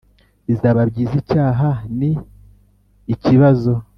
bizaba byiza icyaha ni ikibazo